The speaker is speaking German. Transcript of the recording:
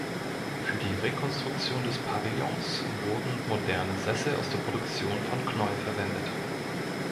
Für die Rekonstruktion des Pavillons wurden moderne Sessel aus der Produktion von Knoll verwendet.